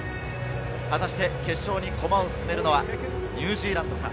果たして決勝に駒を進めるのはニュージーランドか？